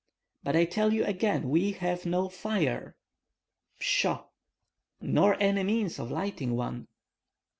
"But I tell you again; we have no fire!" "Pshaw!" "Nor any means of lighting one!"